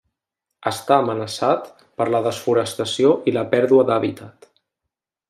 Està amenaçat per la desforestació i la pèrdua d'hàbitat.